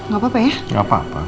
gak apa apa ya